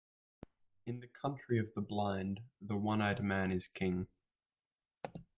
In the country of the blind, the one-eyed man is king.